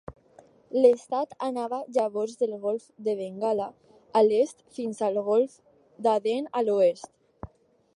L'estat anava llavors del golf de Bengala a l'est fins al golf d'Aden a l'oest.